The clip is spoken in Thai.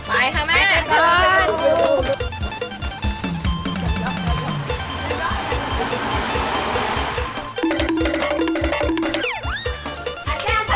ไปค่ะแม่ไปก่อน